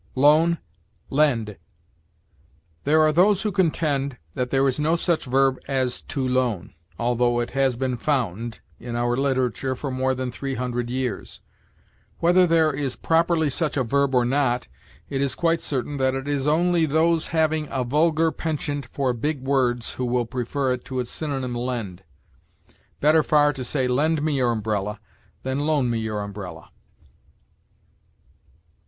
LOAN LEND. There are those who contend that there is no such verb as to loan, although it has been found in our literature for more than three hundred years. Whether there is properly such a verb or not, it is quite certain that it is only those having a vulgar penchant for big words who will prefer it to its synonym lend. Better far to say "Lend me your umbrella" than "Loan me your umbrella."